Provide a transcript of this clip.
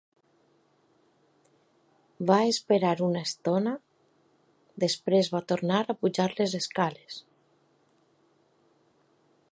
Va esperar una estona, després va tornar a pujar a les escales.